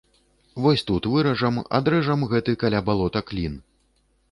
Вось тут выражам, адрэжам гэты каля балота клін.